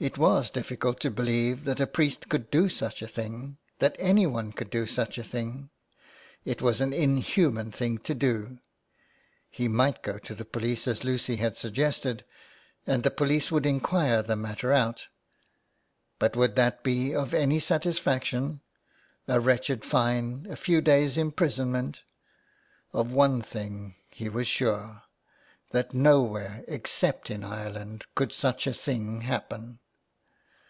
It was difficult to believe that a priest could do such a thing, that anyone could do such a thing ; it was an inhuman thing to do. He might go to the police as Lucy had suggested, and the police would inquire the matter out. But would that be of any satisfaction ? a wretched fine, a few days' imprisonment. Of one thing he was sure : that nowhere except in Ireland could such a thing happen.